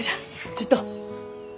ちっと。